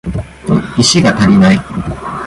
石が足りない